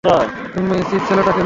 Chief, ছেলেটা কে?